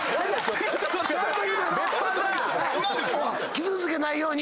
傷つけないように。